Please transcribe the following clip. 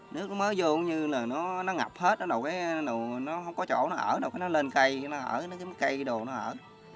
nước nó mới vô như là nó ngập hết nó đâu có chỗ nó ở đâu nó lên cây nó ở cái cây đồ nó ở